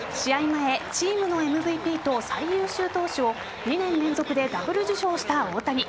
前チームのＭＶＰと最優秀投手を２年連続でダブル受賞した大谷。